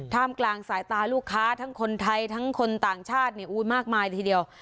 กลางสายตาลูกค้าทั้งคนไทยทั้งคนต่างชาติมากมายทีเดียว